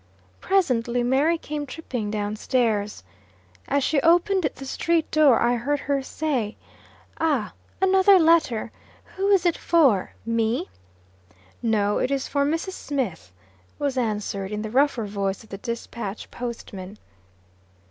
Presently Mary came tripping down stairs. As she opened the street door, I heard her say: "Ah! another letter? Who is it for? Me?" "No, it is for Mrs. Smith," was answered, in the rougher voice of the Despatch Post man.